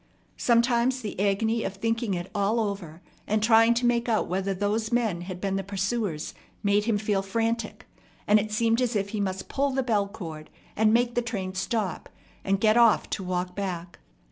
Sometimes the agony of thinking it all over, and trying to make out whether those men had been the pursuers, made him feel frantic; and it seemed as if he must pull the bell cord, and make the train stop, and get off to walk back.